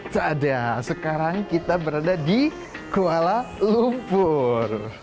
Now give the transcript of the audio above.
tadaa sekarang kita berada di kuala lumpur